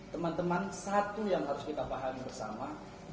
teman teman satu yang harus kita pahami bersama